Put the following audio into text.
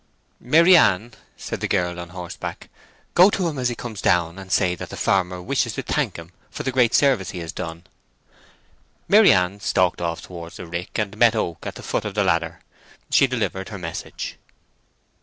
"Maryann," said the girl on horseback, "go to him as he comes down, and say that the farmer wishes to thank him for the great service he has done." Maryann stalked off towards the rick and met Oak at the foot of the ladder. She delivered her message.